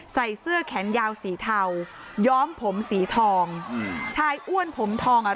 ใส่เสื้อแขนยาวสีเทาย้อมผมสีทองอืมชายอ้วนผมทองอ่ะ